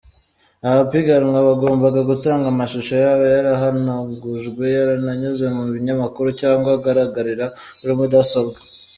Abapiganwa bagombaga gutanga amashusho yaba yarahanagujwe, yaranyuze mu binyamakuru, cyangwa agaragarira kuri mudasobwa.